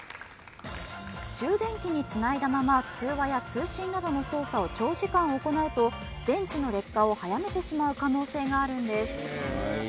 充電器につないだまま通話や通信などの操作を長時間行うと電池の劣化を早めてしまう可能性があるんです。